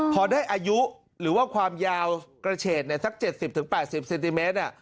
พอได้อายุหรือว่าความยาวกระเฉดสัก๗๐๘๐เซนติเมตร